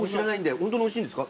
ホントにおいしいんですか？